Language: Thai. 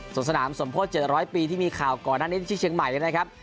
ส่วนสนามสมโพธิ๗๐๐ปีที่มีข่าวก่อนหน้านี้ที่เชียงใหม่นะครับ